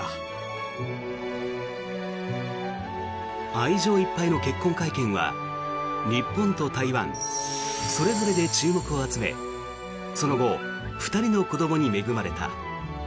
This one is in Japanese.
愛情いっぱいの結婚会見は日本と台湾それぞれで注目を集めその後２人の子どもに恵まれた。